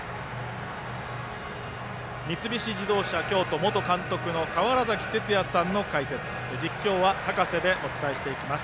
三菱自動車京都元監督の川原崎哲也さんの解説実況は高瀬でお伝えします。